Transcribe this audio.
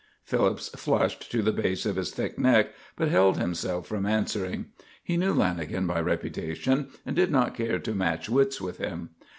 Phillips flushed to the base of his thick neck but held himself from answering. He knew Lanagan by reputation and did not care to match wits with him.